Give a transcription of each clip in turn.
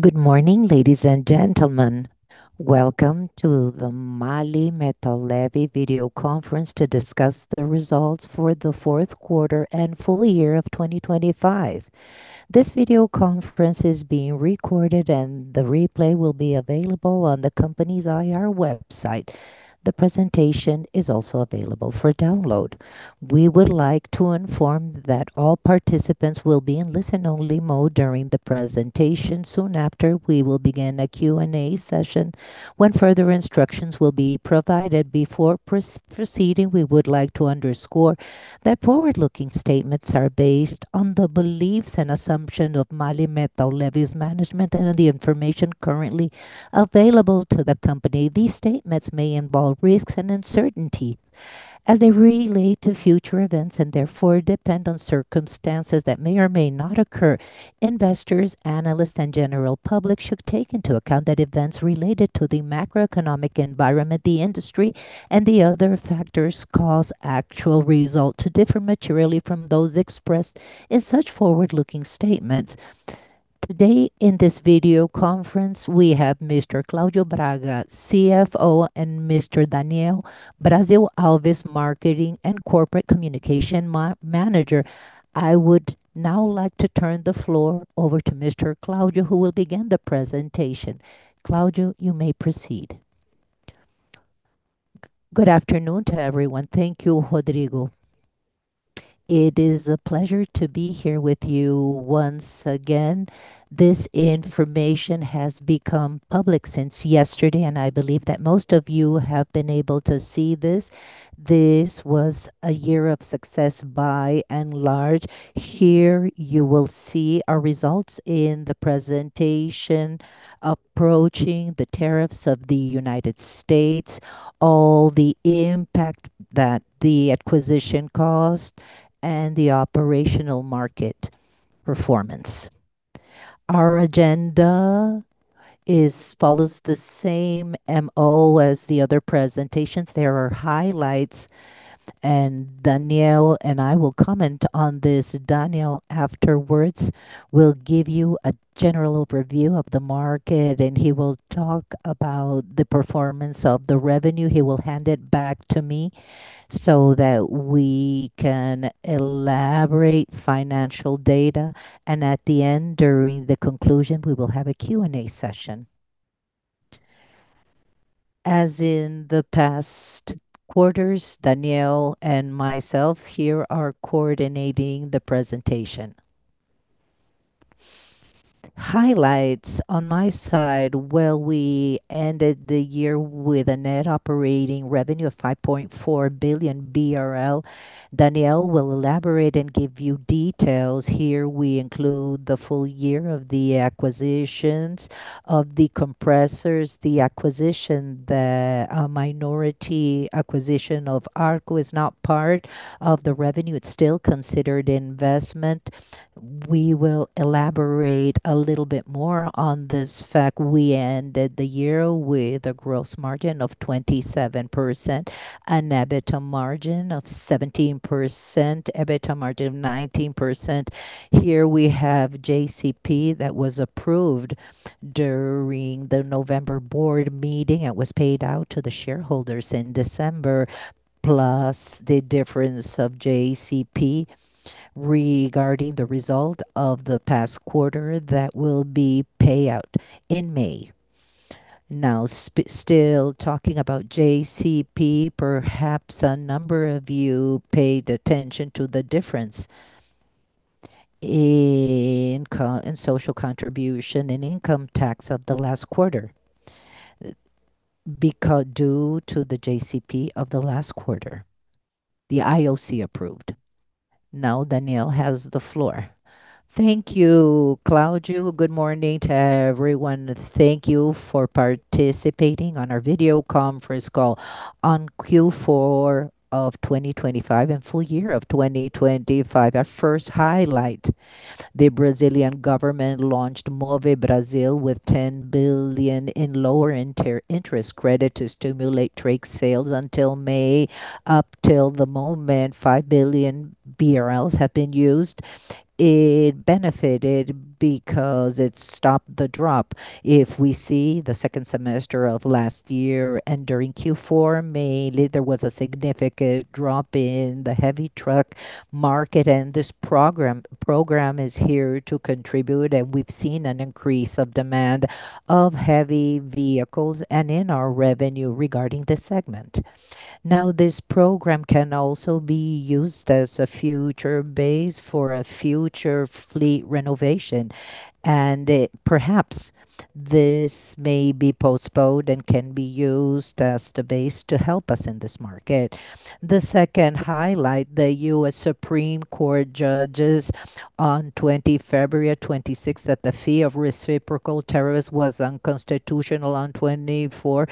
Good morning, ladies and gentlemen. Welcome to the MAHLE Metal Leve video conference to discuss the results for the fourth quarter and full year of 2025. This video conference is being recorded, and the replay will be available on the company's IR website. The presentation is also available for download. We would like to inform that all participants will be in listen-only mode during the presentation. Soon after, we will begin a Q&A session when further instructions will be provided. Before proceeding, we would like to underscore that forward-looking statements are based on the beliefs and assumption of MAHLE Metal Leve's management and on the information currently available to the company. These statements may involve risks and uncertainty as they relate to future events and therefore depend on circumstances that may or may not occur. Investors, analysts, and general public should take into account that events related to the macroeconomic environment, the industry, and the other factors cause actual results to differ materially from those expressed in such forward-looking statements. Today in this video conference, we have Mr. Claudio Braga, CFO, and Mr. Daniel Brasil Alves, Marketing and Corporate Communication Manager. I would now like to turn the floor over to Mr. Claudio, who will begin the presentation. Claudio, you may proceed. Good afternoon to everyone. Thank you, Rodrigo. It is a pleasure to be here with you once again. This information has become public since yesterday, and I believe that most of you have been able to see this. This was a year of success by and large. Here you will see our results in the presentation approaching the tariffs of the United States, all the impact that the acquisition caused, and the operational market performance. Our agenda follows the same MO as the other presentations. There are highlights, and Daniel and I will comment on this. Daniel, afterwards, will give you a general overview of the market, and he will talk about the performance of the revenue. He will hand it back to me so that we can elaborate financial data, and at the end, during the conclusion, we will have a Q&A session. As in the past quarters, Daniel and myself here are coordinating the presentation. Highlights on my side. Well, we ended the year with a net operating revenue of 5.4 billion BRL. Daniel will elaborate and give you details here. We include the full year of the acquisitions of the compressors. The minority acquisition of Arco is not part of the revenue. It's still considered investment. We will elaborate a little bit more on this fact. We ended the year with a gross margin of 27% and EBITDA margin of 17%, EBIT margin of 19%. Here we have JCP that was approved during the November board meeting. It was paid out to the shareholders in December, plus the difference of JCP regarding the result of the past quarter that will be paid out in May. Now still talking about JCP, perhaps a number of you paid attention to the difference in in social contribution and income tax of the last quarter due to the JCP of the last quarter. It was approved. Now Daniel has the floor. Thank you, Claudio. Good morning to everyone. Thank you for participating on our video conference call on Q4 of 2025 and full year of 2025. Our first highlight, the Brazilian government launched Move Brasil with 10 billion in lower interest credit to stimulate truck sales until May. Up till the moment, 5 billion BRL have been used. It benefited because it stopped the drop. If we see the second semester of last year and during Q4, mainly there was a significant drop in the heavy truck market, and this program is here to contribute, and we've seen an increase in demand for heavy vehicles and in our revenue regarding this segment. Now, this program can also be used as a future base for a future fleet renovation, and perhaps this may be postponed and can be used as the base to help us in this market. The second highlight, the U.S. Supreme Court judges on 20 February 2026, that the fee of reciprocal tariffs was unconstitutional. On 24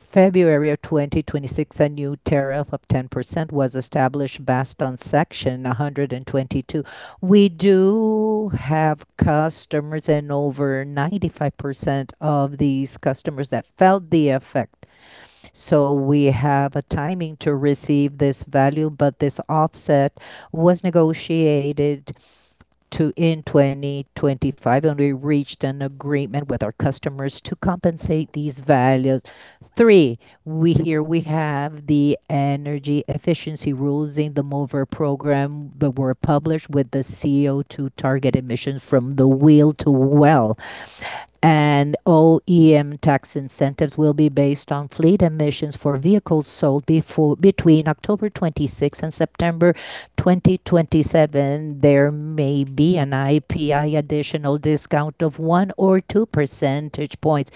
February 2026, a new tariff of 10% was established based on Section 122. We do have customers, and over 95% of these customers that felt the effect. So we have a timing to receive this value, but this offset was negotiated to in 2025, and we reached an agreement with our customers to compensate these values. Three, here we have the energy efficiency rules in the MOVER program that were published with the CO₂ target emissions from the well-to-wheel. All emissions tax incentives will be based on fleet emissions for vehicles sold between October 26th and September 2027. There may be an IPI additional discount of 1 or 2 percentage points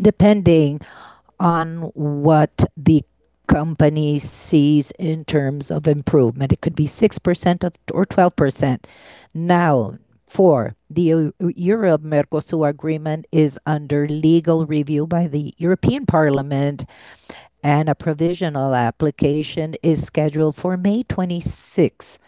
depending on what the company sees in terms of improvement. It could be 6% or 12%. Now, for the E.U.-Mercosur agreement is under legal review by the European Parliament, and a provisional application is scheduled for May 26.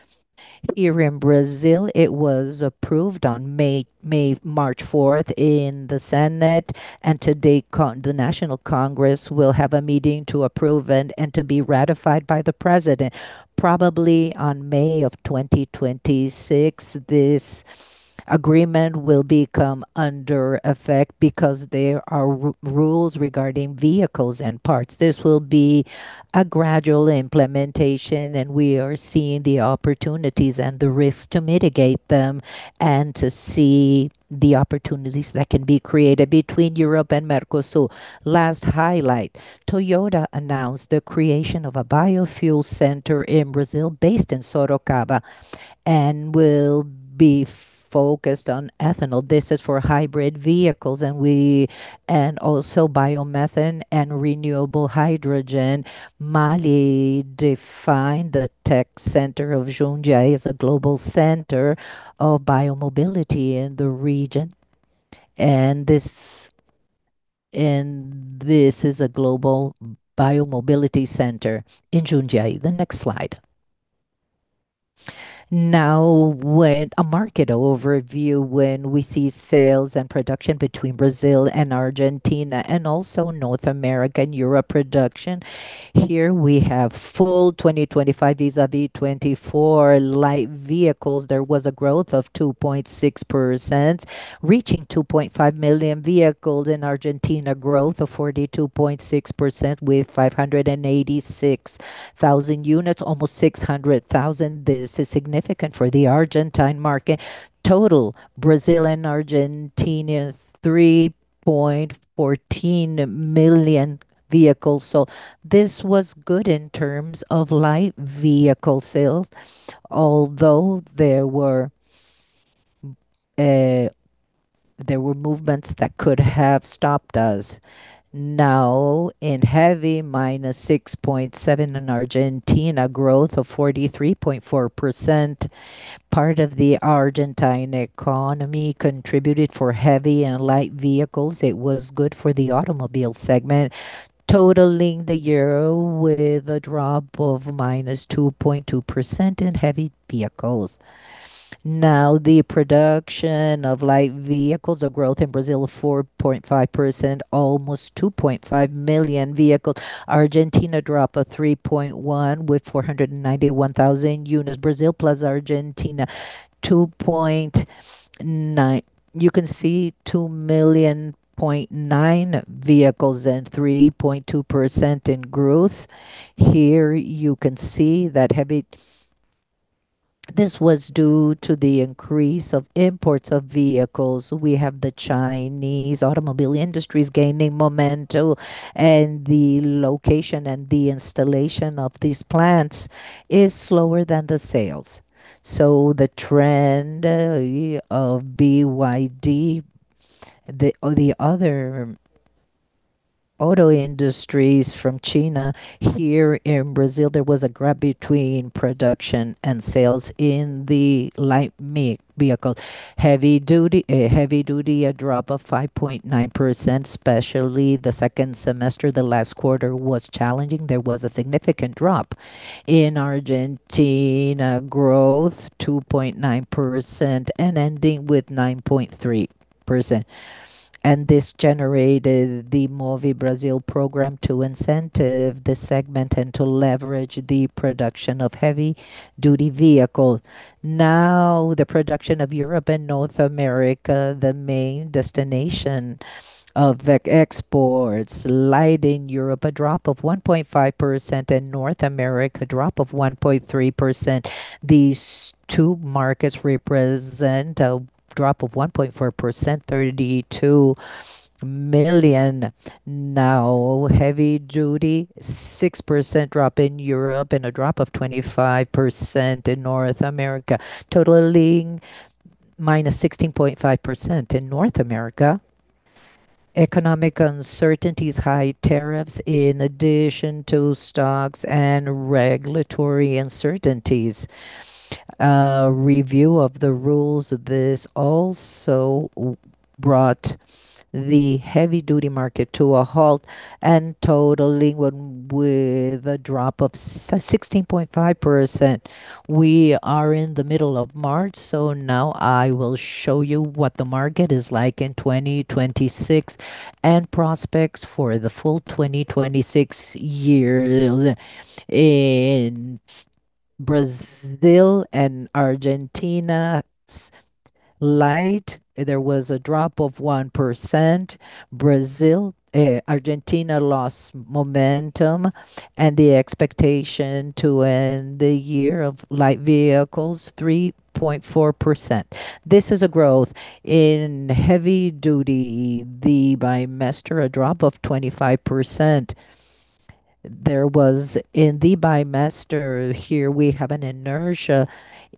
Here in Brazil, it was approved on March 4th in the Senate, and today, the National Congress will have a meeting to approve and to be ratified by the president, probably on May of 2026. This agreement will come into effect because there are rules regarding vehicles and parts. This will be a gradual implementation, and we are seeing the opportunities and the risks to mitigate them and to see the opportunities that can be created between Europe and Mercosur. Last highlight, Toyota announced the creation of a biofuel center in Brazil based in Sorocaba and will be focused on ethanol. This is for hybrid vehicles, and also biomethane and renewable hydrogen. MAHLE defined the tech center of Jundiaí as a global center of Bio-mobility in the region. This is a global Bio-mobility center in Jundiaí. The next slide. Now, a market overview when we see sales and production between Brazil and Argentina and also North America and Europe production. Here we have full 2025 vis-à-vis 2024 light vehicles. There was a growth of 2.6%, reaching 2.5 million vehicles in Argentina, growth of 42.6% with 586,000 units, almost 600,000. This is significant for the Argentine market. Total, Brazil and Argentina, 3.14 million vehicles. This was good in terms of light vehicle sales. Although there were there were movements that could have stopped us. Now, in heavy, -6.7 in Argentina, growth of 43.4%. Part of the Argentine economy contributed for heavy and light vehicles. It was good for the automobile segment, totaling the year with a drop of -2.2% in heavy vehicles. Now, the production of light vehicles, a growth in Brazil of 4.5%, almost 2.5 million vehicles. Argentina drop of 3.1 with 491,000 units. Brazil plus Argentina, 2.9. You can see 2.9 million vehicles and 3.2% in growth. Here you can see that this was due to the increase of imports of vehicles. We have the Chinese automobile industries gaining momentum, and the location and the installation of these plants is slower than the sales. The trend of BYD, the other auto industries from China. Here in Brazil, there was a gap between production and sales in the light vehicle. Heavy duty, a drop of 5.9%, especially the second semester. The last quarter was challenging. There was a significant drop. In Argentina, growth 2.9% and ending with 9.3%. This generated the Move Brasil program to incentivize this segment and to leverage the production of heavy duty vehicle. Now, the production of Europe and North America, the main destination of exports. Light in Europe, a drop of 1.5%. In North America, drop of 1.3%. These two markets represent a drop of 1.4%, 32 million. Now, heavy duty, 6% drop in Europe and a drop of 25% in North America, totaling -16.5% in North America. Economic uncertainties, high tariffs in addition to stocks and regulatory uncertainties. Review of the rules, this also brought the heavy duty market to a halt and totaling with a drop of -16.5%. We are in the middle of March, so now I will show you what the market is like in 2026 and prospects for the full 2026 year, in Brazil and Argentina's light, there was a drop of 1%. Brazil, Argentina lost momentum and the expectation to end the year of light vehicles 3.4%. This is a growth in heavy duty. The quarter, a drop of 25%. In the quarter, here we have an inertia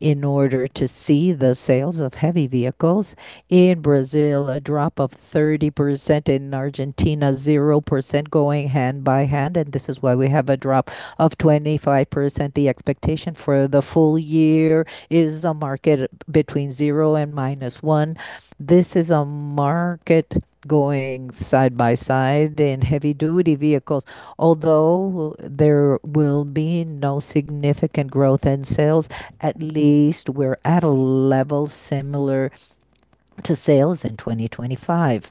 we're seeing in the sales of heavy vehicles. In Brazil, a drop of 30%. In Argentina, 0% going hand in hand, and this is why we have a drop of 25%. The expectation for the full year is a market between 0% and -1%. This is a market going side by side in heavy duty vehicles. Although there will be no significant growth in sales, at least we're at a level similar to sales in 2025.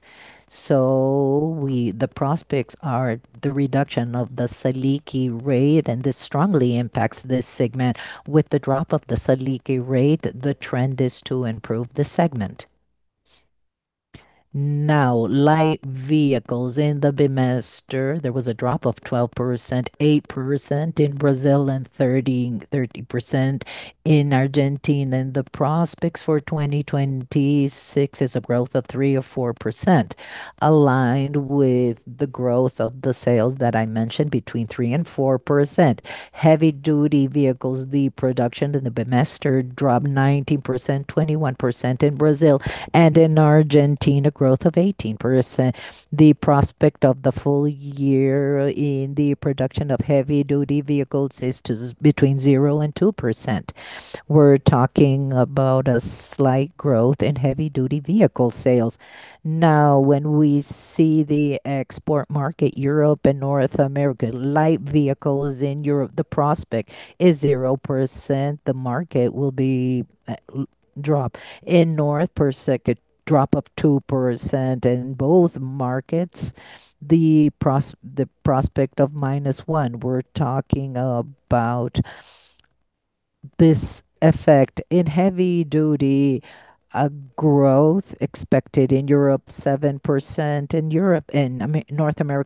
The prospects are the reduction of the Selic rate, and this strongly impacts this segment. With the drop of the Selic rate, the trend is to improve the segment. Now, light vehicles. In the quarter, there was a drop of 12%, 8% in Brazil and 13% in Argentina. The prospects for 2026 is a growth of 3%-4%, aligned with the growth of the sales that I mentioned between 3%-4%. Heavy-duty vehicles, the production in the quarter dropped 19%, 21% in Brazil, and in Argentina, growth of 18%. The prospect of the full year in the production of heavy-duty vehicles is between 0%-2%. We're talking about a slight growth in heavy-duty vehicle sales. Now, when we see the export market, Europe and North America. Light vehicles in Europe, the prospect is 0%. The market will be drop. In North America, a drop of 2%. In both markets, the prospect of -1%. We're talking about this effect. In heavy-duty, a growth expected in North America,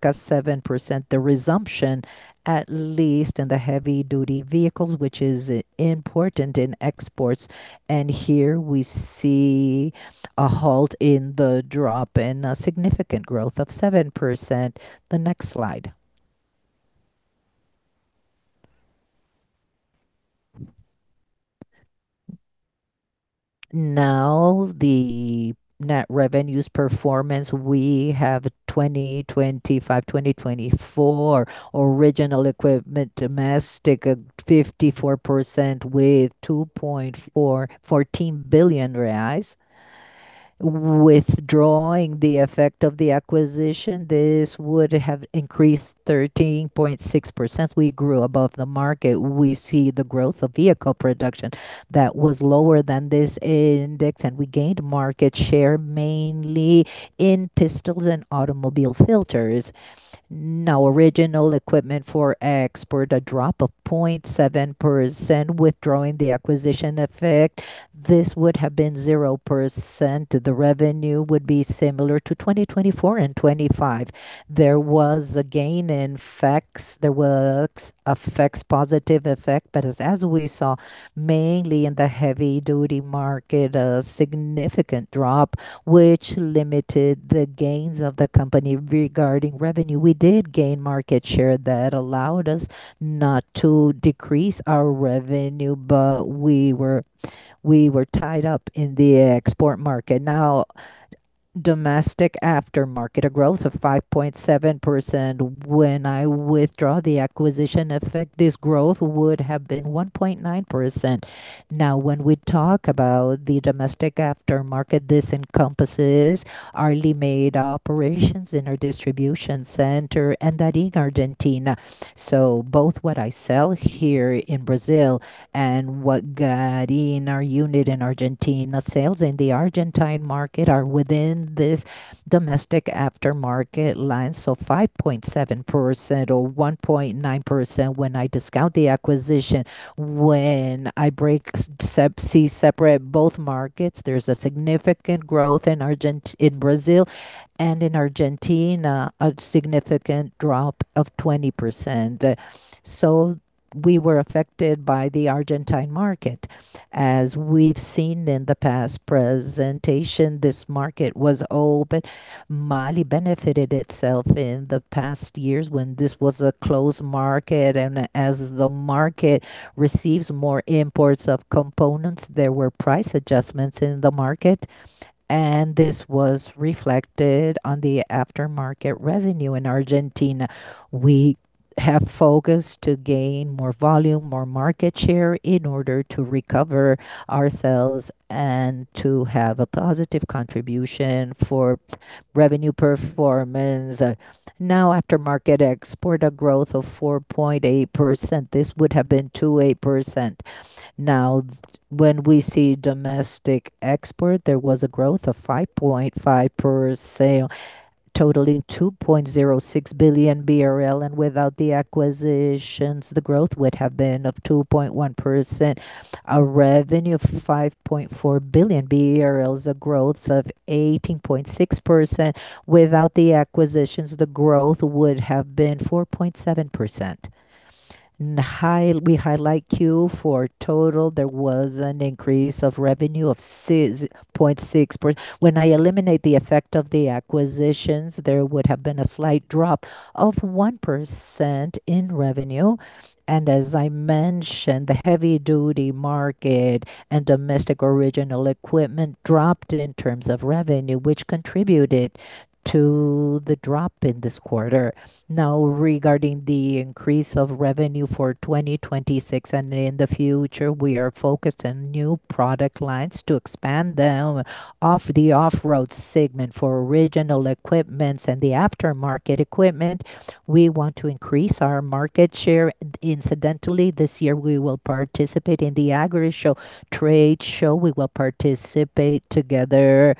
7%. The resumption, at least in the heavy-duty vehicles, which is important in exports, and here we see a halt in the drop and a significant growth of 7%. The next slide. Now, the net revenues performance. We have 2025, 2024. Original equipment domestic, 54% with 14 billion reais. Withdrawing the effect of the acquisition, this would have increased 13.6%. We grew above the market. We see the growth of vehicle production that was lower than this index, and we gained market share mainly in pistons and automobile filters. Now, original equipment for export, a drop of 0.7%. Withdrawing the acquisition effect, this would have been 0%. The revenue would be similar to 2024 and 2025. There was a gain in FX. There was a FX positive effect, but as we saw, mainly in the heavy-duty market, a significant drop, which limited the gains of the company regarding revenue. We did gain market share that allowed us not to decrease our revenue, but we were tied up in the export market. Domestic aftermarket, a growth of 5.7%. When I without the acquisition effect, this growth would have been 1.9%. When we talk about the domestic aftermarket, this encompasses our limited operations in our distribution center and that in Argentina. Both what I sell here in Brazil and what we do in our unit in Argentina. Sales in the Argentine market are within this domestic aftermarket line, so 5.7% or 1.9% when I discount the acquisition. When I separate both markets, there's a significant growth in Brazil, and in Argentina, a significant drop of 20%. We were affected by the Argentine market. As we've seen in the past presentation, this market was open. MAHLE benefited itself in the past years when this was a closed market, and as the market receives more imports of components, there were price adjustments in the market, and this was reflected on the aftermarket revenue in Argentina. We have focused to gain more volume, more market share in order to recover our sales and to have a positive contribution for revenue performance. Now aftermarket export, a growth of 4.8%. This would have been 28%. Now when we see domestic export, there was a growth of 5.5%, totaling 2.06 billion BRL, and without the acquisitions, the growth would have been of 2.1%. A revenue of 5.4 billion is a growth of 18.6%. Without the acquisitions, the growth would have been 4.7%. We highlight Q4. Total, there was an increase of revenue of 6.6%. When I eliminate the effect of the acquisitions, there would have been a slight drop of 1% in revenue. As I mentioned, the heavy-duty market and domestic original equipment dropped in terms of revenue, which contributed to the drop in this quarter. Now, regarding the increase of revenue for 2026 and in the future, we are focused on new product lines to expand them off the off-road segment for original equipments and the aftermarket equipment. We want to increase our market share. Incidentally, this year we will participate in the Agrishow trade show. We will participate together,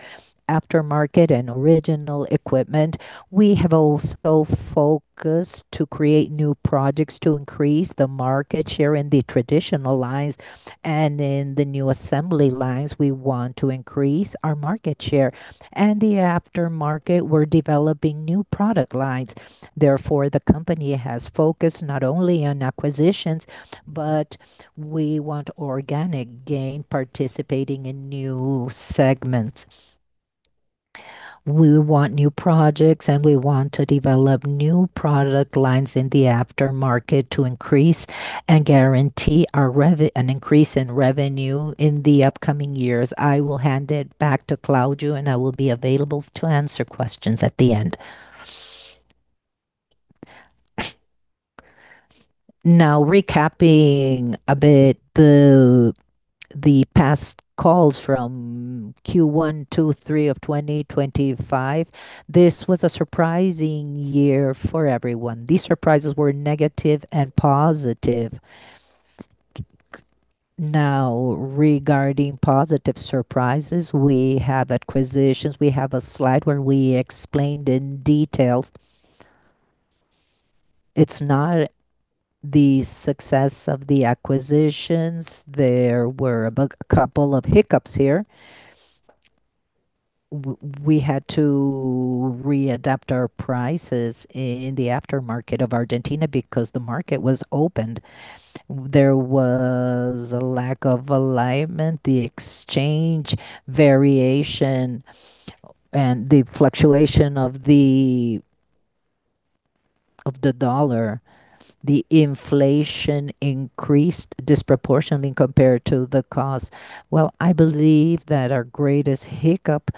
aftermarket and original equipment. We have also focused to create new projects to increase the market share in the traditional lines and in the new assembly lines, we want to increase our market share. The aftermarket, we're developing new product lines. Therefore, the company has focused not only on acquisitions, but we want organic gain participating in new segments. We want new projects, and we want to develop new product lines in the aftermarket to increase and guarantee an increase in revenue in the upcoming years. I will hand it back to Claudio, and I will be available to answer questions at the end. Now recapping a bit the past calls from Q1, Q2, Q3 of 2025. This was a surprising year for everyone. These surprises were negative and positive. Now regarding positive surprises, we have acquisitions. We have a slide where we explained in detail. It's not the success of the acquisitions. There were a couple of hiccups here. We had to readapt our prices in the aftermarket of Argentina because the market was opened. There was a lack of alignment, the exchange variation and the fluctuation of the U.S. dollar. The inflation increased disproportionately compared to the cost. Well, I believe that our greatest hiccup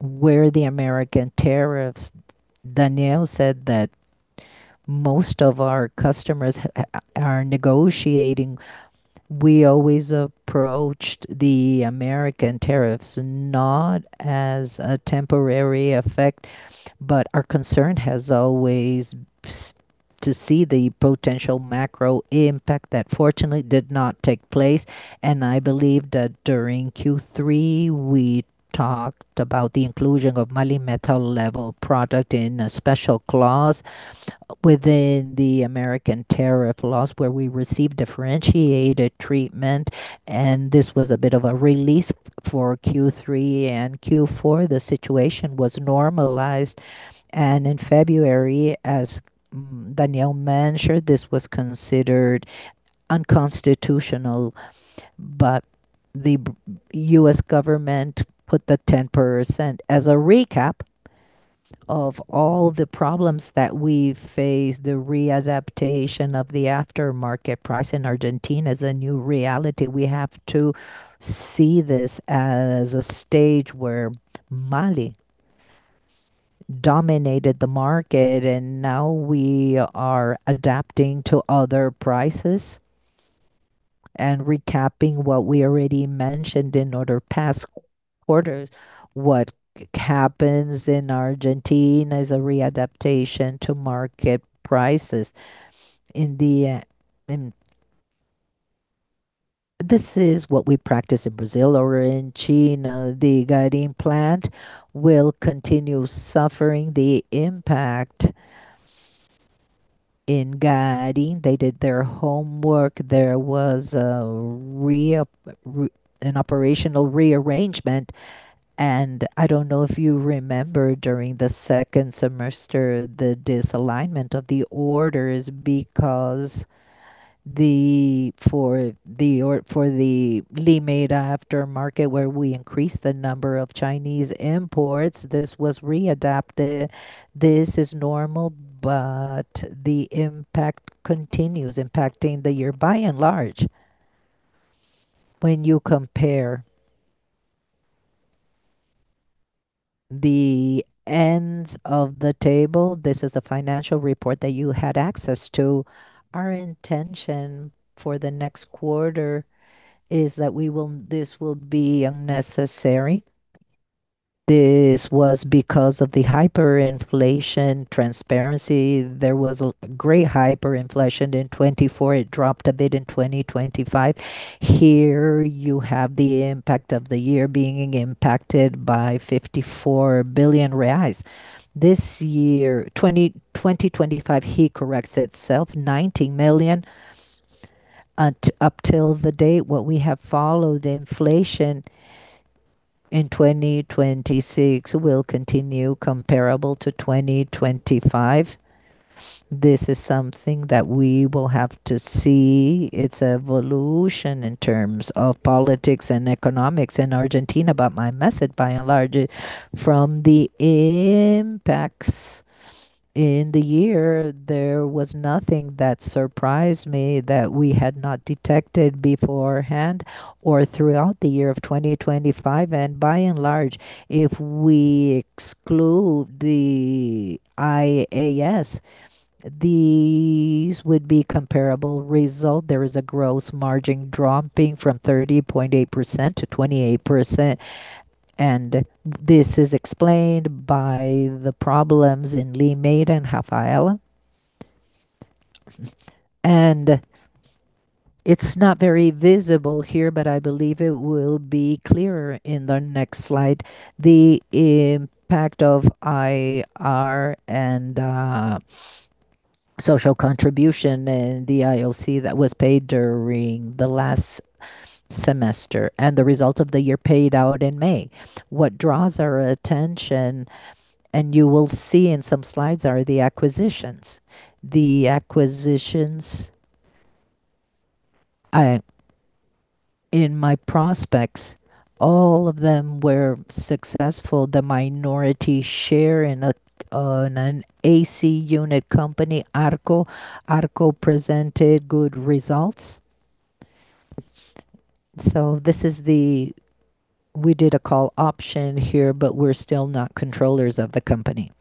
were the American tariffs. Daniel said that most of our customers are negotiating. We always approached the American tariffs not as a temporary effect, but our concern has always to see the potential macro impact that fortunately did not take place. I believe that during Q3 we talked about the inclusion of MAHLE Metal Leve product in a special clause within the American tariff laws where we received differentiated treatment, and this was a bit of a release for Q3 and Q4. The situation was normalized, and in February, as Daniel mentioned, this was considered unconstitutional, but the U.S. government put the 10%. As a recap of all the problems that we've faced, the readaptation of the aftermarket price in Argentina is a new reality. We have to see this as a stage where MAHLE dominated the market and now we are adapting to other prices and recapping what we already mentioned in other past quarters. What happens in Argentina is a readaptation to market prices. This is what we practice in Brazil or in China. The Gadin plant will continue suffering the impact. In Gadin, they did their homework. There was an operational rearrangement, and I don't know if you remember during the second semester, the misalignment of the orders because for the Limeira aftermarket where we increased the number of Chinese imports, this was readapted. This is normal, but the impact continues impacting the year. By and large, when you compare the ends of the table, this is a financial report that you had access to. Our intention for the next quarter is that this will be unnecessary. This was because of the hyperinflation transparency. There was a great hyperinflation in 2024. It dropped a bit in 2025. Here you have the impact of the year being impacted by 54 billion reais. This year, 2025, it corrects itself, 90 million. Up to date, what we have followed, inflation in 2026 will continue comparable to 2025. This is something that we will have to see its evolution in terms of politics and economics in Argentina. My message, by and large, from the impacts in the year, there was nothing that surprised me that we had not detected beforehand or throughout the year of 2025. By and large, if we exclude the IAS, these would be comparable result. There is a gross margin dropping from 30.8% to 28%, and this is explained by the problems in Limeira and Rafaela. It's not very visible here, but I believe it will be clearer in the next slide. The impact of IR and social contribution and the IOC that was paid during the last semester and the result of the year paid out in May. What draws our attention, and you will see in some slides, are the acquisitions. The acquisitions, in my prospects, all of them were successful. The minority share in on an AC unit company, Arco. Arco presented good results. This is the call option here, but we're still not controllers of the company.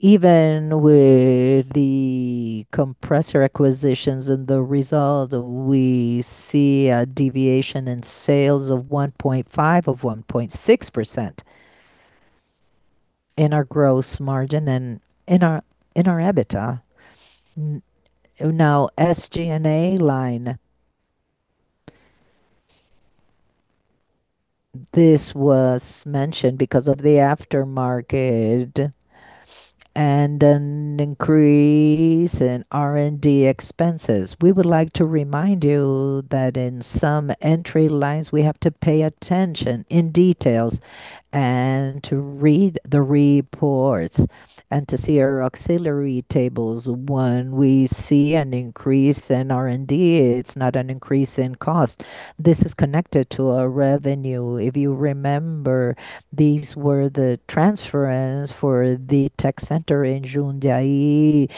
Even with the compressor acquisitions and the result, we see a deviation in sales of 1.5 to 1.6% in our gross margin and in our EBITDA. Now SG&A line. This was mentioned because of the aftermarket and an increase in R&D expenses. We would like to remind you that in some entry lines, we have to pay attention in details and to read the reports and to see our auxiliary tables. When we see an increase in R&D, it's not an increase in cost. This is connected to our revenue. If you remember, these were the transfers for the tech center in Jundiaí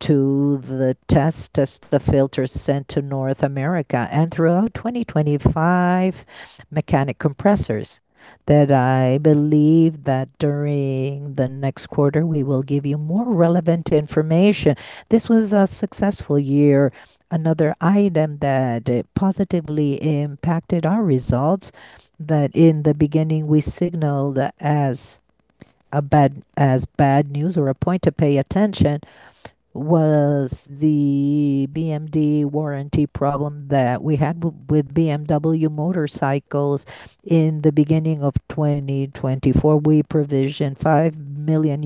to test the filters sent to North America. Throughout 2025, mechanic compressors that I believe that during the next quarter we will give you more relevant information. This was a successful year. Another item that positively impacted our results, that in the beginning we signaled as bad news or a point to pay attention, was the BMD warranty problem that we had with BMW motorcycles in the beginning of 2024. We provisioned EUR 5 million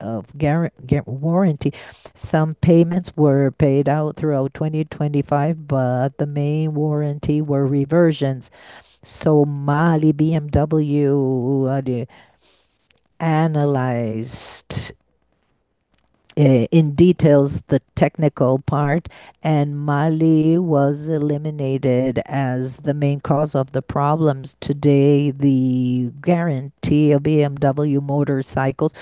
of warranty. Some payments were paid out throughout 2025, but the main warranty were reversions. MAHLE BMW analyzed in detail the technical part, and MAHLE was eliminated as the main cause of the problems. Today, the guarantee of BMW motorcycles,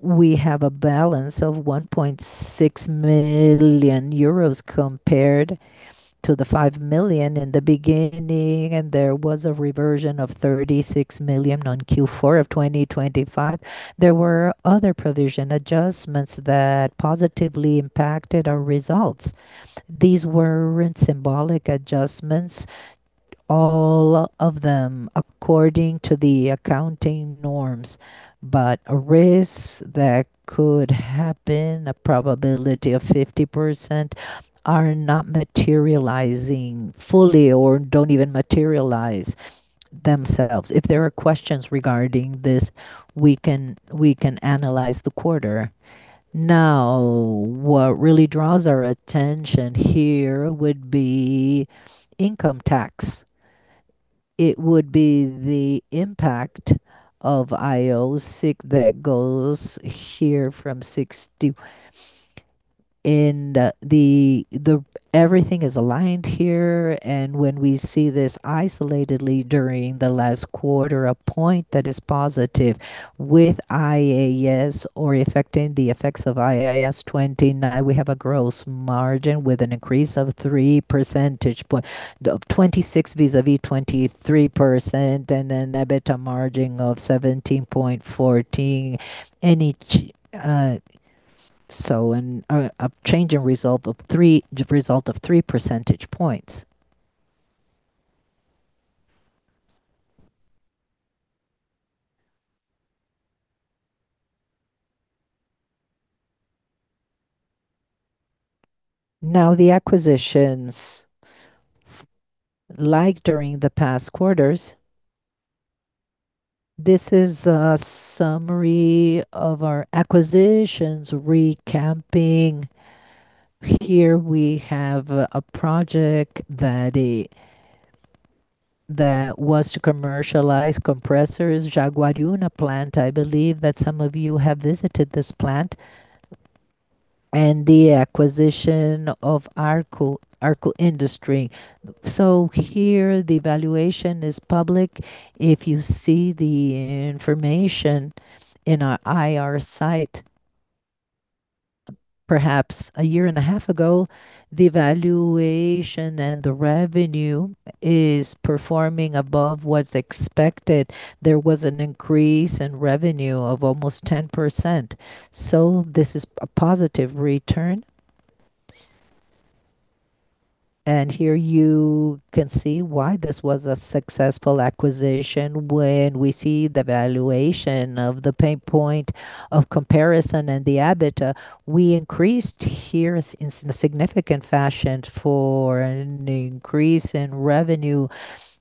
we have a balance of 1.6 million euros compared to the 5 million in the beginning, and there was a reversion of 36 million on Q4 of 2025. There were other provision adjustments that positively impacted our results. These weren't symbolic adjustments, all of them according to the accounting norms. Risks that could happen, a probability of 50%, are not materializing fully or don't even materialize themselves. If there are questions regarding this, we can analyze the quarter. Now, what really draws our attention here would be income tax. It would be the impact of IOF that goes here from 60%. Everything is aligned here. When we see this isolatedly during the last quarter, a point that is positive with IAS or affecting the effects of IAS 29, we have a gross margin with an increase of 3 percentage points of 26% vis-a-vis 23% and an EBITDA margin of 17.14%. A change in result of 3 percentage points. Now the acquisitions. Like during the past quarters, this is a summary of our acquisitions recapping. Here we have a project that was to commercialize compressors, Jaguariúna plant. I believe that some of you have visited this plant. The acquisition of Arco Industry. Here the valuation is public. If you see the information in our IR site, perhaps a year and a half ago, the valuation and the revenue is performing above what's expected. There was an increase in revenue of almost 10%. This is a positive return. Here you can see why this was a successful acquisition when we see the valuation of the payback point of comparison and the EBITDA. We increased here in significant fashion for an increase in revenue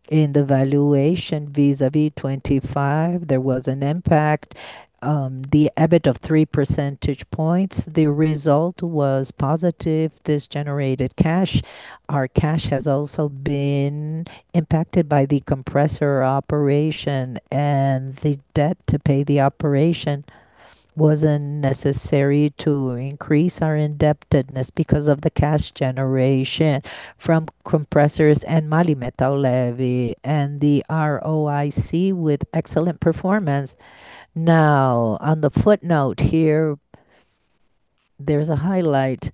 in the valuation vis-à-vis 2025. There was an impact, the EBIT of three percentage points. The result was positive. This generated cash. Our cash has also been impacted by the compressor operation and the debt to pay the operation wasn't necessary to increase our indebtedness because of the cash generation from compressors and MAHLE Metal Leve and the ROIC with excellent performance. Now, on the footnote here, there's a highlight.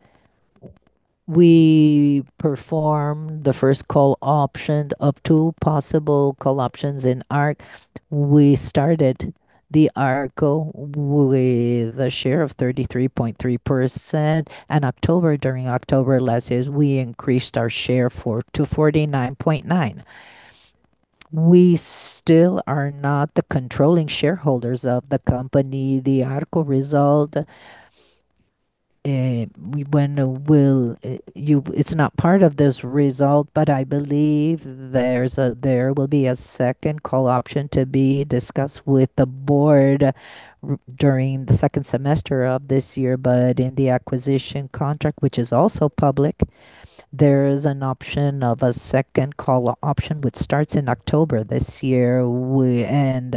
We performed the first call option of two possible call options in Arco. We started the Arco with a share of 33.3%. In October last year, we increased our share to 49.9%. We still are not the controlling shareholders of the company. The Arco result is not part of this result, but I believe there will be a second call option to be discussed with the board during the second semester of this year. In the acquisition contract, which is also public, there is an option of a second call option, which starts in October this year, and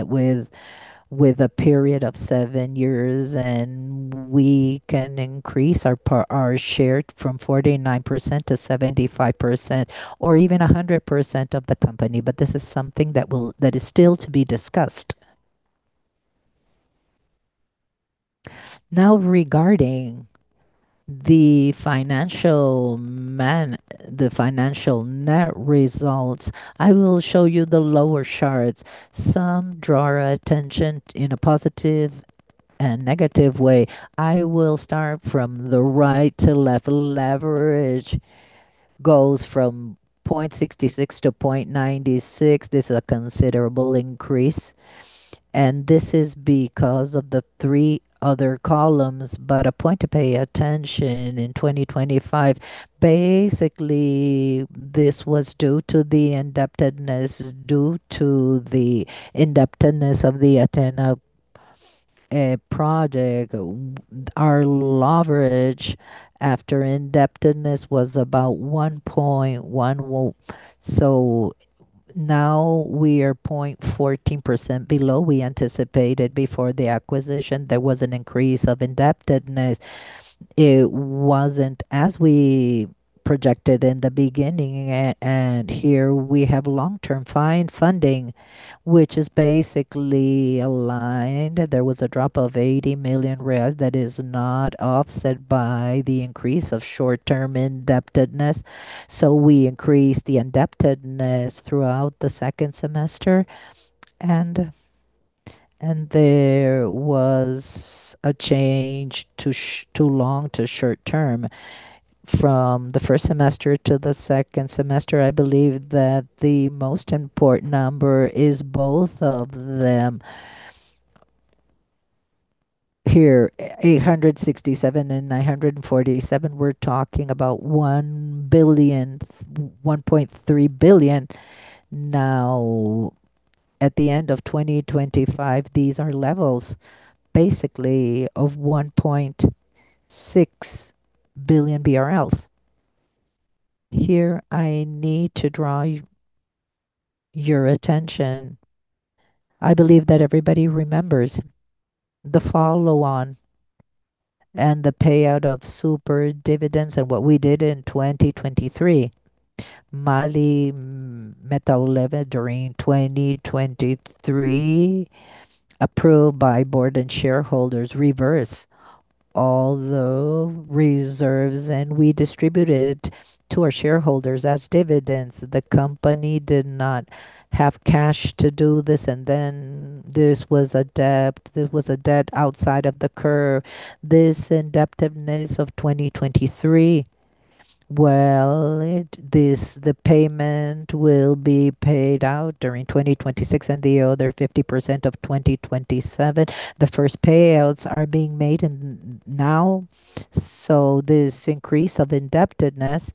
with a period of seven years, and we can increase our share from 49%-75% or even 100% of the company. This is something that is still to be discussed. Now, regarding the financial net results, I will show you the lower charts. Some draw our attention in a positive and negative way. I will start from the right to left. Leverage goes from 0.66-0.96. This is a considerable increase, and this is because of the three other columns. A point to pay attention in 2025, basically this was due to the indebtedness of the Athena project. Our leverage after indebtedness was about 1.1. So now we are 0.14% below we anticipated before the acquisition. There was an increase of indebtedness. It wasn't as we projected in the beginning and here we have long-term funding, which is basically aligned. There was a drop of 80 million that is not offset by the increase of short-term indebtedness. We increased the indebtedness throughout the second semester and there was a change to short-term from the first semester to the second semester. I believe that the most important number is both of them. Here, 867 and 947. We're talking about 1 billion, 1.3 billion. Now, at the end of 2025, these are levels basically of 1.6 billion BRL. Here, I need to draw your attention. I believe that everybody remembers the follow-on and the payout of super dividends and what we did in 2023. MAHLE Metal Leve during 2023, approved by board and shareholders, reversed all the reserves, and we distributed to our shareholders as dividends. The company did not have cash to do this. This was a debt outside of the curve. This indebtedness of 2023, well, the payment will be paid out during 2026 and the other 50% of 2027. The first payouts are being made now, so this increase of indebtedness,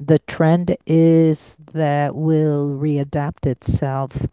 the trend is that will readapt itself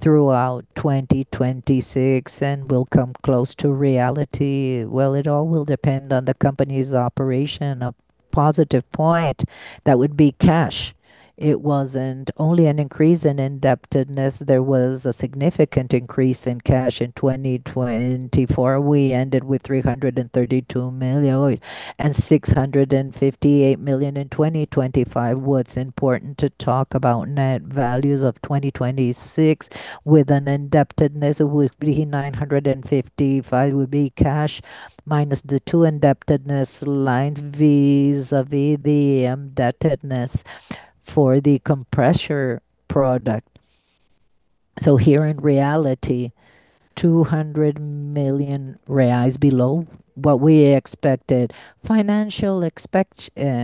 throughout 2026 and will come close to reality. Well, it all will depend on the company's operation. A positive point, that would be cash. It wasn't only an increase in indebtedness, there was a significant increase in cash in 2024. We ended with 332 million and 658 million in 2025. What's important to talk about net values of 2026 with an indebtedness of between 955 would be cash minus the two indebtedness lines vis-à-vis the indebtedness for the compressor product. Here in reality, 200 million reais below what we expected. Financial expenses.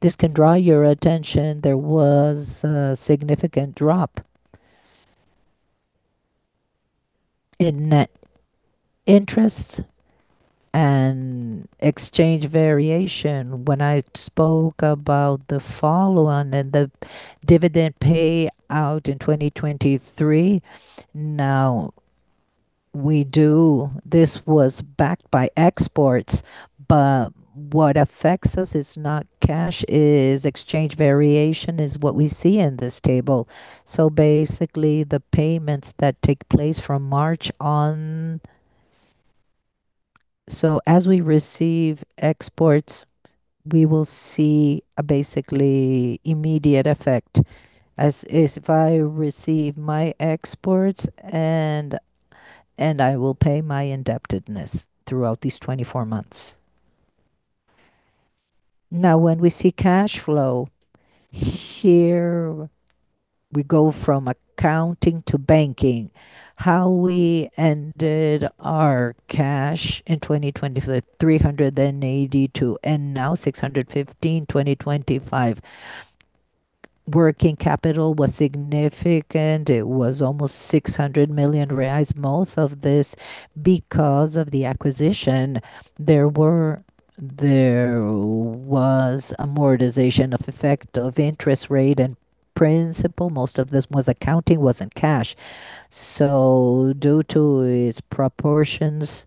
This can draw your attention. There was a significant drop in net interest and exchange variation. When I spoke about the follow-on and the dividend pay out in 2023, now we do. This was backed by exports, but what affects us is not cash, it is exchange variation is what we see in this table. Basically, the payments that take place from March on. As we receive exports, we will see a basically immediate effect. As if I receive my exports and I will pay my indebtedness throughout these 24 months. When we see cash flow, here we go from accounting to banking. How we ended our cash in 2024, 382, and now 615, 2025. Working capital was significant. It was almost 600 million reais. Most of this, because of the acquisition, there was amortization of effect of interest rate and principal. Most of this was accounting, wasn't cash. Due to its proportions,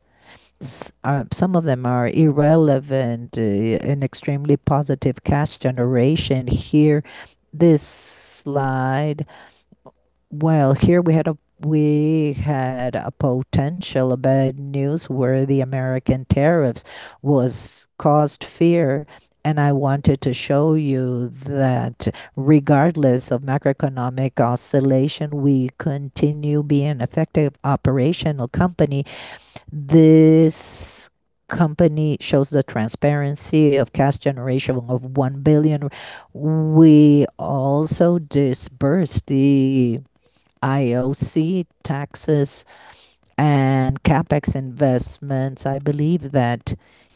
some of them are irrelevant, an extremely positive cash generation. Here, this slide, well, we had a potentially bad news where the American tariffs have caused fear. I wanted to show you that regardless of macroeconomic oscillation, we continue being effective operational company. This company shows the transparency of cash generation of 1 billion. We also disbursed the JCP taxes and CapEx investments. I believe that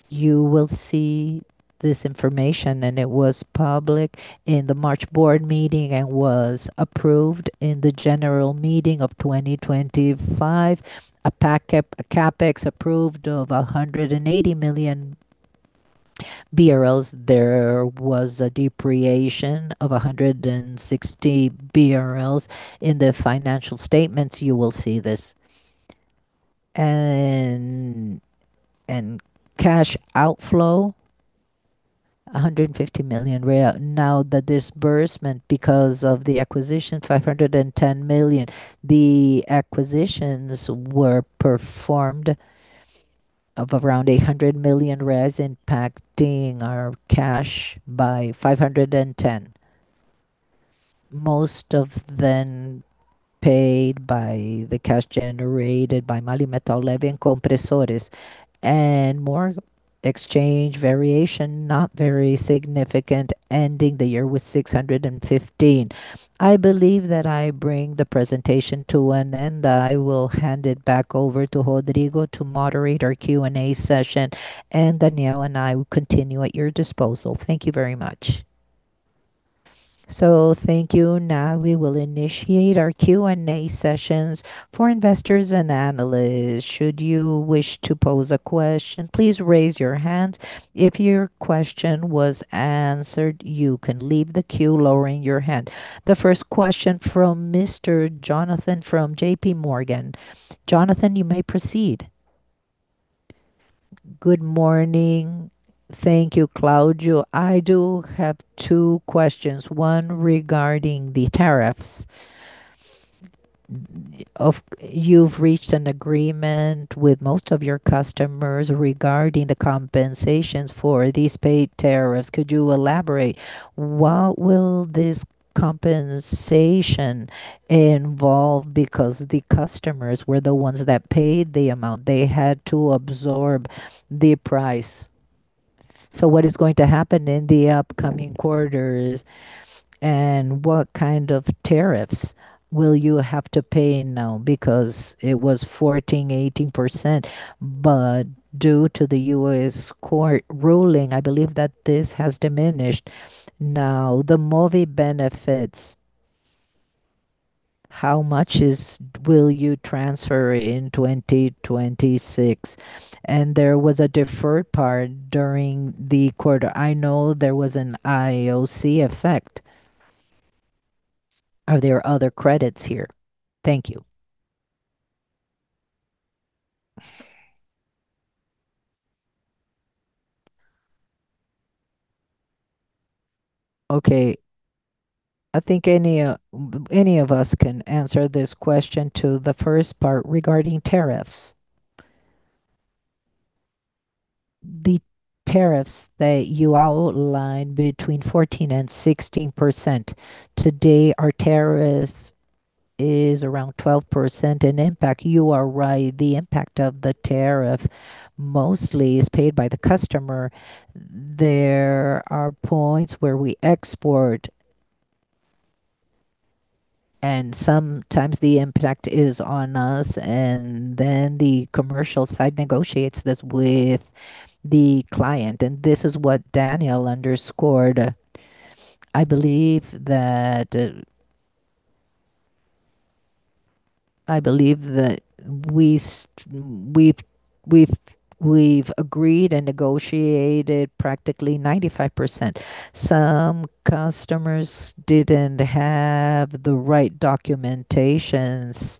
you will see this information, and it was public in the March board meeting and was approved in the general meeting of 2025. A CapEx approved of 180 million BRL. There was a depreciation of 160 BRL. In the financial statements, you will see this. Cash outflow, 150 million real. Now, the disbursement because of the acquisition, 510 million. The acquisitions were performed of around 800 million, impacting our cash by 510. Most of them paid by the cash generated by MAHLE Metal Leve and Compressores. More exchange variation, not very significant, ending the year with 615. I believe that I bring the presentation to an end. I will hand it back over to Rodrigo to moderate our Q&A session, and Daniel and I will continue at your disposal. Thank you very much. Thank you. Now we will initiate our Q&A sessions for investors and analysts. Should you wish to pose a question, please raise your hand. If your question was answered, you can leave the queue lowering your hand. The first question from Mr. Jonathan from J.P. Morgan. Jonathan, you may proceed. Good morning. Thank you, Claudio. I do have two questions, one regarding the tariffs. You've reached an agreement with most of your customers regarding the compensations for these paid tariffs. Could you elaborate, what will this compensation involve? Because the customers were the ones that paid the amount. They had to absorb the price. What is going to happen in the upcoming quarters and what kind of tariffs will you have to pay now because it was 14%-18%, but due to the U.S. court ruling, I believe that this has diminished. Now, the MOVER benefits, how much will you transfer in 2026? And there was a deferred part during the quarter. I know there was a JCP effect. Are there other credits here? Thank you. Okay. I think any of us can answer this question to the first part regarding tariffs. The tariffs that you outlined between 14%-16%. Today, our tariff is around 12%. In impact, you are right. The impact of the tariff mostly is paid by the customer. There are points where we export, and sometimes the impact is on us, and then the commercial side negotiates this with the client, and this is what Daniel underscored. I believe that we've agreed and negotiated practically 95%. Some customers didn't have the right documentations,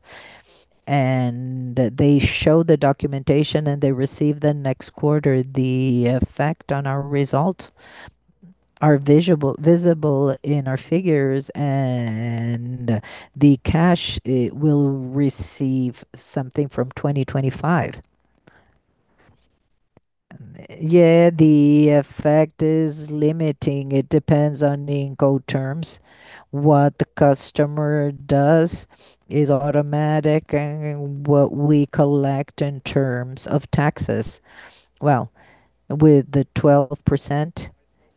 and they show the documentation, and they receive the next quarter. The effect on our result are visible in our figures and the cash will receive something from 2025. Yeah, the effect is limiting. It depends on the Incoterms. What the customer does is automatic and what we collect in terms of taxes. Well, with the 12%,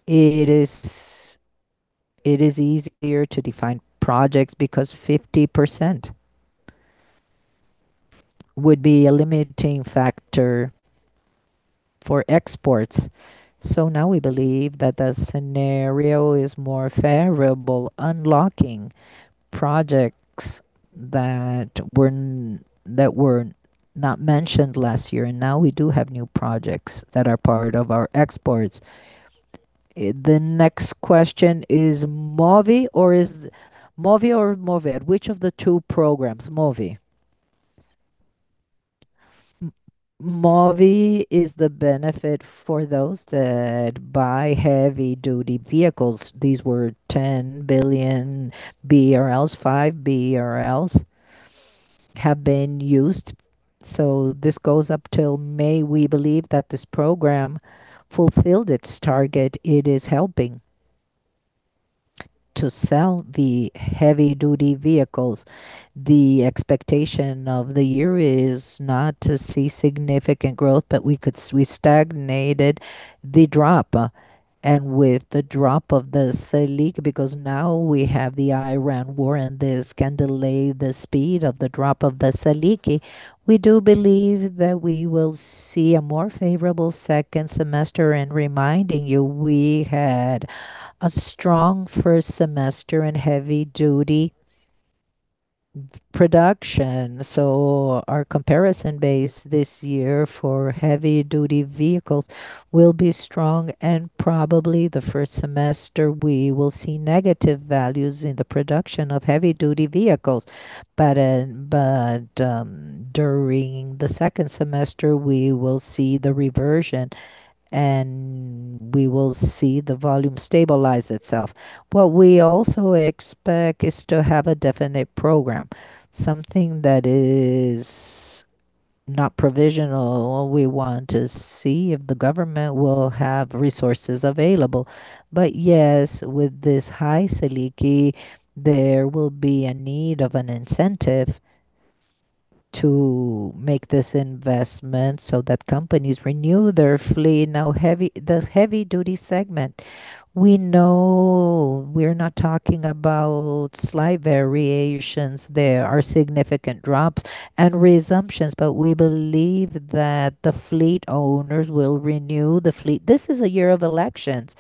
it is easier to define projects because 50% would be a limiting factor for exports. Now we believe that the scenario is more favorable, unlocking projects that were not mentioned last year, and now we do have new projects that are part of our exports. The next question is Move or MOVER? Which of the two programs? Move. Move is the benefit for those that buy heavy-duty vehicles. These were 10 billion BRL. 5 billion BRL have been used. This goes up till May. We believe that this program fulfilled its target. It is helping to sell the heavy-duty vehicles. The expectation of the year is not to see significant growth, but we stagnated the drop, and with the drop of the Selic, because now we have the Iran war, and this can delay the speed of the drop of the Selic. We do believe that we will see a more favorable second semester, and reminding you, we had a strong first semester in heavy-duty production. Our comparison base this year for heavy-duty vehicles will be strong, and probably the first semester we will see negative values in the production of heavy-duty vehicles. During the second semester, we will see the reversion, and we will see the volume stabilize itself. What we also expect is to have a definite program, something that is not provisional. We want to see if the government will have resources available. Yes, with this high Selic, there will be a need of an incentive to make this investment so that companies renew their fleet. Now the heavy-duty segment, we know we're not talking about slight variations. There are significant drops and resumptions, but we believe that the fleet owners will renew the fleet. This is a year of elections,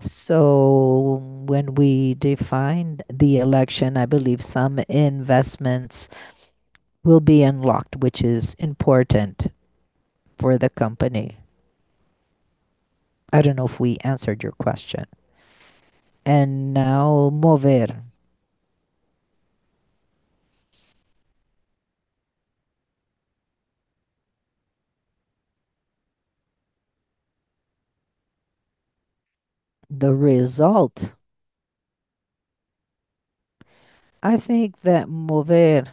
so when we define the election, I believe some investments will be unlocked, which is important for the company. I don't know if we answered your question. Now MOVER. The result. I think that MOVER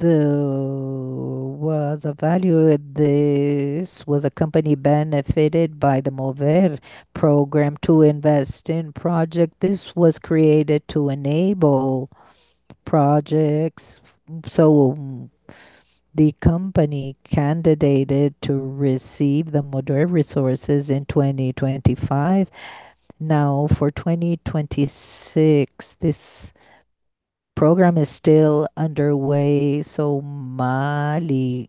was a value. This was a company benefited by the MOVER program to invest in project. This was created to enable projects. So the company candidated to receive the MOVER resources in 2025. Now, for 2026, this program is still underway, so MAHLE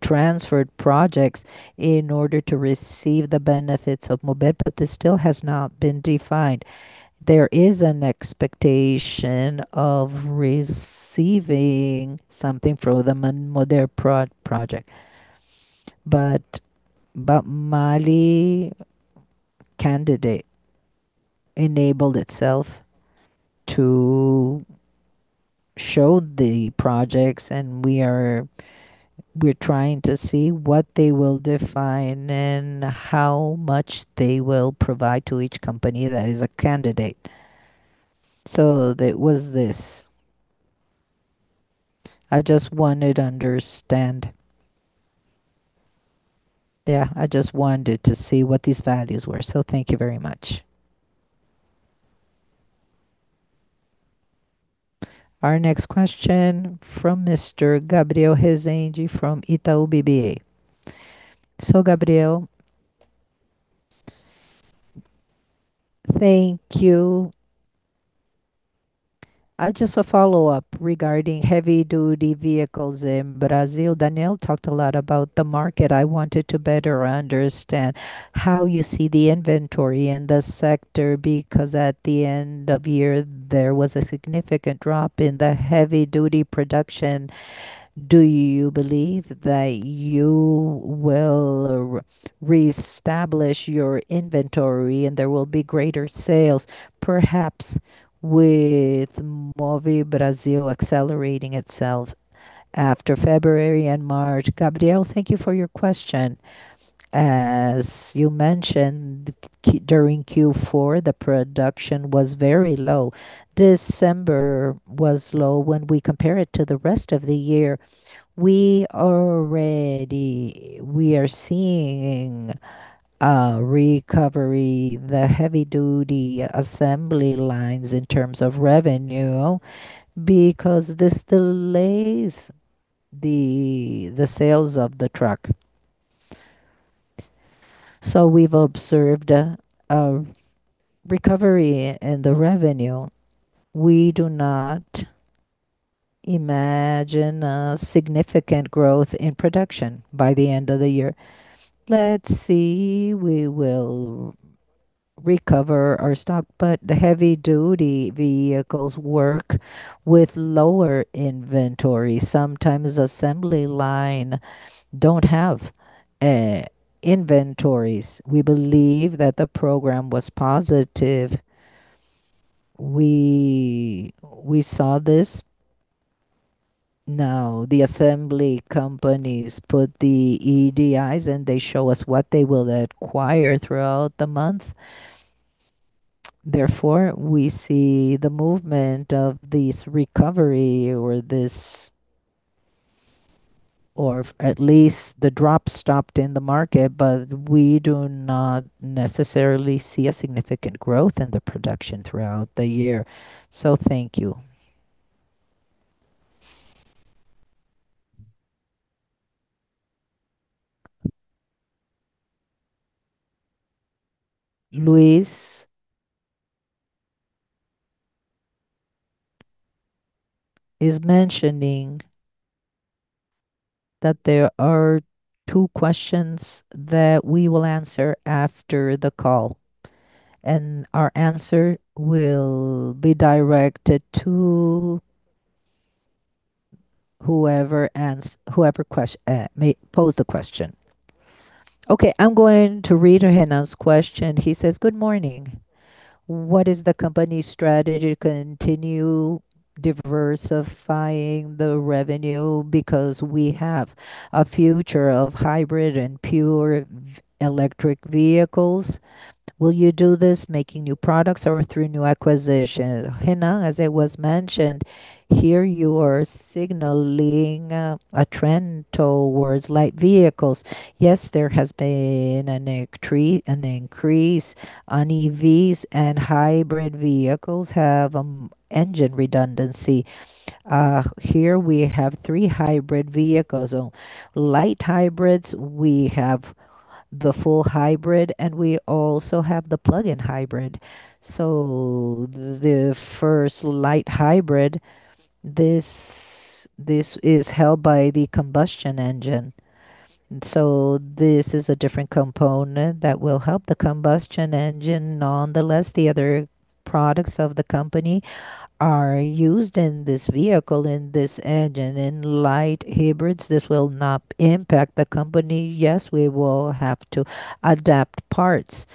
transferred projects in order to receive the benefits of MOVER, but this still has not been defined. There is an expectation of receiving something from the MOVER program. MOVER candidate enabled itself to show the projects, and we are trying to see what they will define and how much they will provide to each company that is a candidate. That was this. I just wanted to understand. Yeah, I just wanted to see what these values were, so thank you very much. Our next question from Mr. Gabriel Rezende from Itaú BBA. Gabriel. Thank you. Just a follow-up regarding heavy-duty vehicles in Brazil. Daniel talked a lot about the market. I wanted to better understand how you see the inventory in the sector, because at the end of year, there was a significant drop in the heavy-duty production. Do you believe that you will re-establish your inventory and there will be greater sales, perhaps with Move Brasil accelerating itself after February and March? Gabriel, thank you for your question. As you mentioned, in Q4, the production was very low. December was low when we compare it to the rest of the year. We are seeing a recovery in the heavy-duty assembly lines in terms of revenue, because this delays the sales of the truck. We've observed a recovery in the revenue. We do not imagine a significant growth in production by the end of the year. Let's see. We will recover our stock, but the heavy-duty vehicles work with lower inventory. Sometimes assembly line don't have inventories. We believe that the program was positive. We saw this. Now, the assembly companies put the EDIs, and they show us what they will acquire throughout the month. Therefore, we see the movement of this recovery or this. At least the drop stopped in the market, but we do not necessarily see a significant growth in the production throughout the year. Thank you. Luis is mentioning that there are two questions that we will answer after the call, and our answer will be directed to whoever may pose the question. Okay, I'm going to read Renan's question. He says, "Good morning. What is the company's strategy to continue diversifying the revenue because we have a future of hybrid and pure electric vehicles? Will you do this making new products or through new acquisitions?" Renan, as it was mentioned, here you are signaling a trend towards light vehicles. Yes, there has been an increase on EVs and hybrid vehicles have engine redundancy. Here we have three hybrid vehicles. Light hybrids, we have the full hybrid, and we also have the plug-in hybrid. The first light hybrid, this is belted by the combustion engine. This is a different component that will help the combustion engine. Nonetheless, the other products of the company are used in this vehicle, in this engine. In light hybrids, this will not impact the company. Yes, we will have to adapt parts.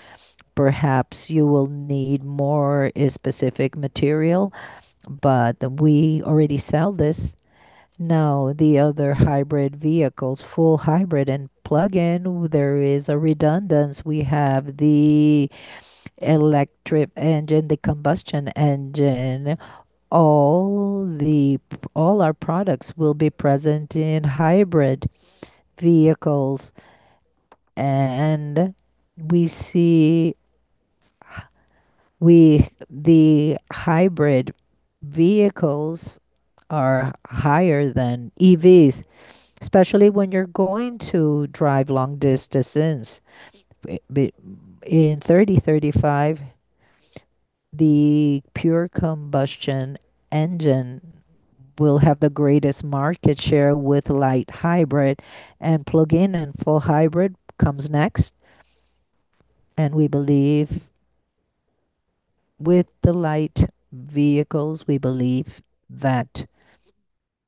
Perhaps you will need more specific material, but we already sell this. Now, the other hybrid vehicles, full hybrid and plug-in, there is a redundancy. We have the electric engine, the combustion engine. All our products will be present in hybrid vehicles, and we see the hybrid vehicles are higher than EVs, especially when you're going to drive long distances. In 2030-2035, the pure combustion engine will have the greatest market share with light hybrid and plug-in, and full hybrid comes next. We believe with the light vehicles, we believe that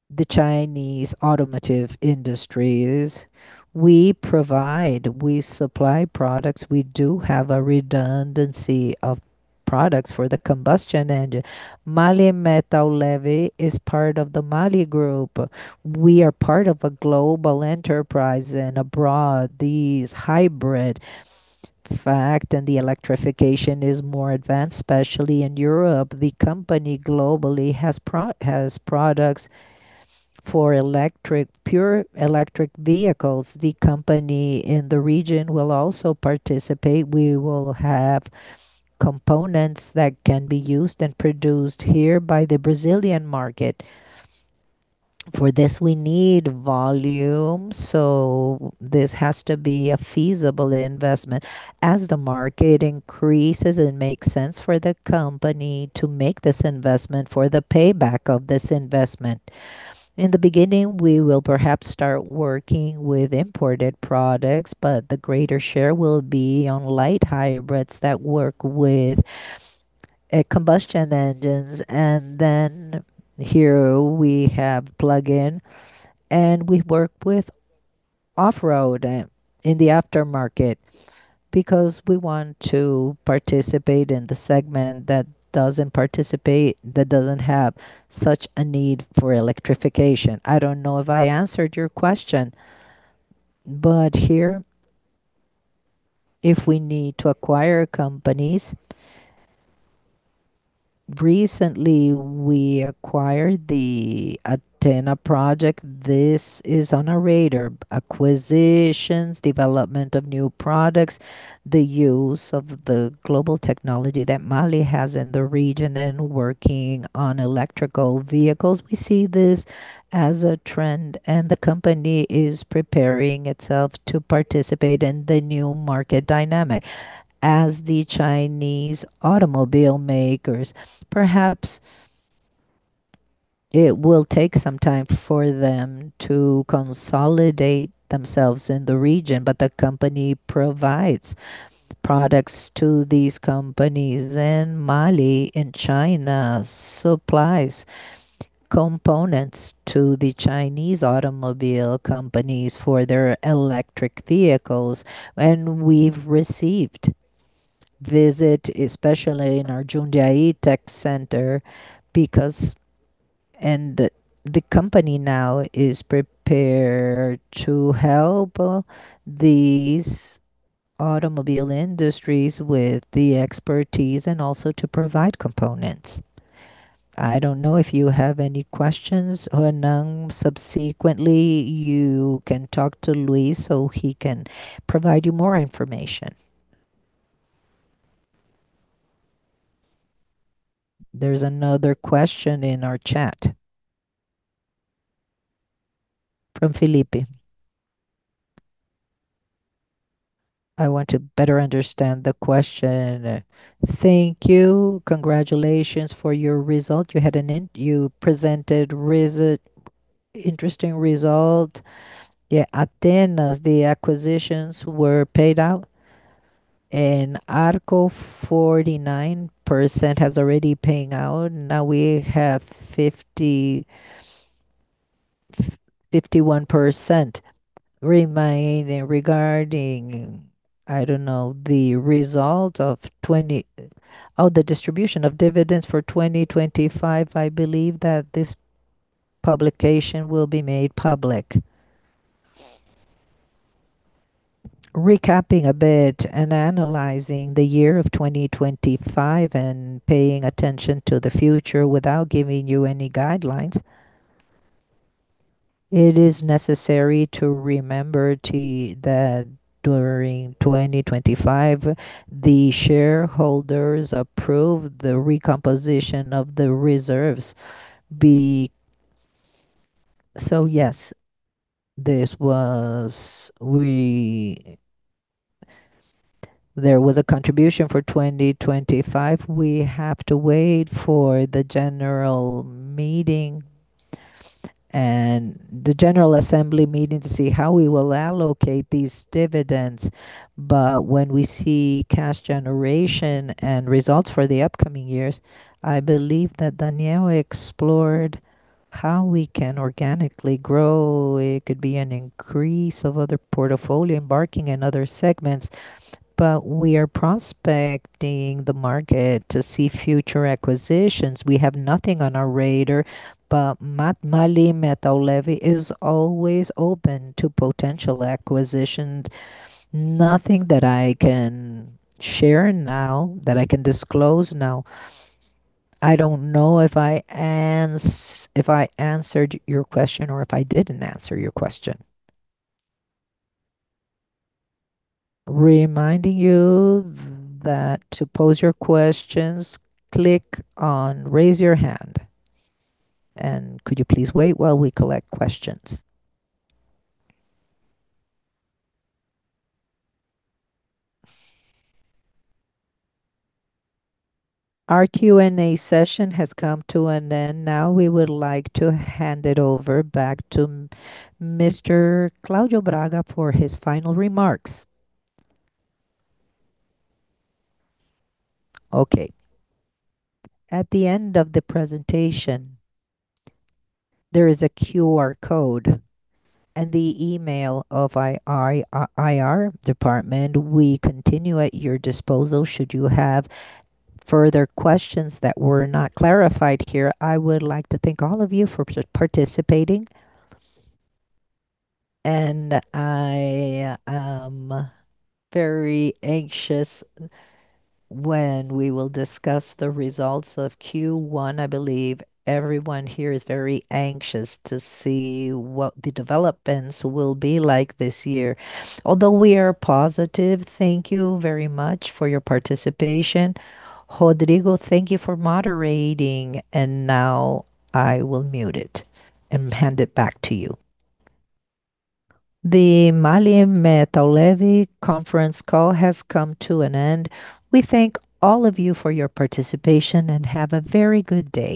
the Chinese automotive industries, we provide, we supply products. We do have a redundancy of products for the combustion engine. MAHLE Metal Leve is part of the MAHLE Group. We are part of a global enterprise and abroad, this hybrid, in fact, and the electrification is more advanced, especially in Europe. The company globally has products for electric, pure electric vehicles. The company in the region will also participate. We will have components that can be used and produced here by the Brazilian market. For this, we need volume, so this has to be a feasible investment. As the market increases, it makes sense for the company to make this investment for the payback of this investment. In the beginning, we will perhaps start working with imported products, but the greater share will be on light hybrids that work with combustion engines. Here we have plug-in, and we work with off-road and in the aftermarket because we want to participate in the segment that doesn't participate, that doesn't have such a need for electrification. I don't know if I answered your question, but here, if we need to acquire companies. Recently, we acquired the Athena project. This is on our radar. Acquisitions, development of new products, the use of the global technology that MAHLE has in the region and working on electric vehicles. We see this as a trend, and the company is preparing itself to participate in the new market dynamic. As the Chinese automobile makers, perhaps it will take some time for them to consolidate themselves in the region, but the company provides products to these companies, and MAHLE in China supplies components to the Chinese automobile companies for their electric vehicles. We've received visit, especially in our Jundiaí Tech Center, because the company now is prepared to help these automobile industries with the expertise and also to provide components. I don't know if you have any questions, Renan. Subsequently, you can talk to Luis so he can provide you more information. There's another question in our chat from Felipe. I want to better understand the question. Thank you. Congratulations for your result. You presented interesting result. Yeah, Athena, the acquisitions were paid out, and Arco, 49% has already paying out. Now we have 51% remaining regarding, I don't know, the distribution of dividends for 2025. I believe that this publication will be made public. Recapping a bit and analyzing the year of 2025 and paying attention to the future without giving you any guidelines, it is necessary to remember that during 2025, the shareholders approved the recomposition of the reserves. There was a contribution for 2025. We have to wait for the general meeting and the general assembly meeting to see how we will allocate these dividends. When we see cash generation and results for the upcoming years, I believe that Daniel explored how we can organically grow. It could be an increase of other portfolio, embarking in other segments. We are prospecting the market to see future acquisitions. We have nothing on our radar, but MAHLE Metal Leve is always open to potential acquisitions. Nothing that I can share now, that I can disclose now. I don't know if I answered your question or if I didn't answer your question. Reminding you that to pose your questions, click on Raise Your Hand. Could you please wait while we collect questions. Our Q&A session has come to an end. Now we would like to hand it over back to Mr. Claudio Braga for his final remarks. wwwwwwwwwwwwwwOkay. At the end of the presentation, there is a QR code and the email of IR department. We continue at your disposal should you have further questions that were not clarified here. I would like to thank all of you for participating, and I am very anxious when we will discuss the results of Q1. I believe everyone here is very anxious to see what the developments will be like this year. Although we are positive, thank you very much for your participation. Rodrigo, thank you for moderating. Now I will mute it and hand it back to you. The MAHLE Metal Leve conference call has come to an end. We thank all of you for your participation, and have a very good day.